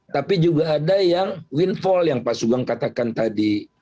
tapi juga ada yang windfall yang pak sugeng katakan tadi